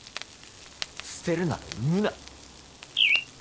捨てるなら産むな